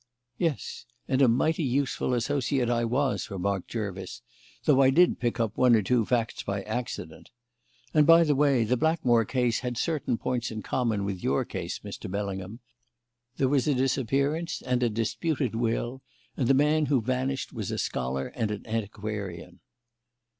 "Yes, and a mighty useful associate I was," remarked Jervis, "though I did pick up one or two facts by accident. And, by the way, the Blackmore case had certain points in common with your case, Mr. Bellingham. There was a disappearance and a disputed will, and the man who vanished was a scholar and an antiquarian."